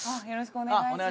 お願いします。